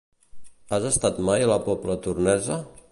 Has estat mai a la Pobla Tornesa?